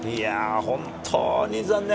本当に残念。